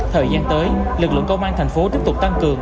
thời gian tới lực lượng công an thành phố tiếp tục tăng cường